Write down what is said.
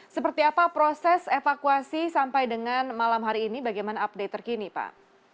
seperti apa proses evakuasi sampai dengan malam hari ini bagaimana update terkini pak